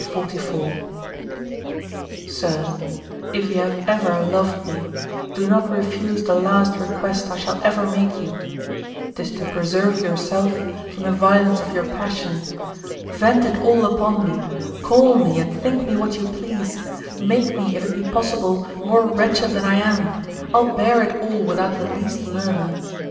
_ SIR, If you have ever loved me, do not refuse the last request I shall ever make you; 'tis to preserve yourself from the violence of your passion. Vent it all upon me; call me and think me what you please; make me, if it be possible, more wretched than I am. I'll bear it all without the least murmur.